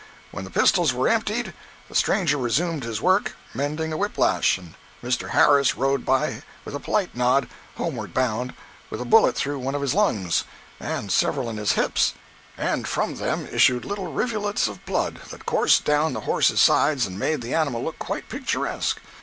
When the pistols were emptied, the stranger resumed his work (mending a whip lash), and Mr. Harris rode by with a polite nod, homeward bound, with a bullet through one of his lungs, and several in his hips; and from them issued little rivulets of blood that coursed down the horse's sides and made the animal look quite picturesque.